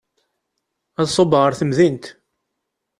Ad ṣubbeɣ ɣer temdint.